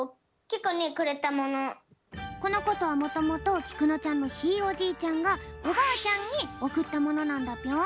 このことはもともときくのちゃんのひいおじいちゃんがおばあちゃんにおくったものなんだぴょん。